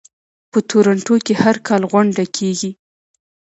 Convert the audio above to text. په تورنټو کې هر کال غونډه کیږي.